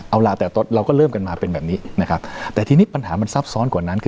เอาลาแต่ต้นเราก็เริ่มกันมาเป็นแบบนี้นะครับแต่ทีนี้ปัญหามันซับซ้อนกว่านั้นคือ